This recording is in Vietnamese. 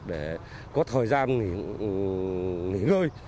để có thời gian nghỉ ngơi